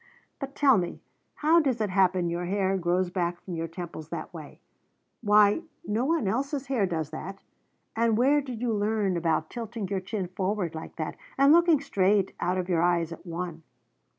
"But tell me, how does it happen your hair grows back from your temples that way? Why, no one else's hair does that. And where did you learn about tilting your chin forward like that and looking straight out of your eyes at one?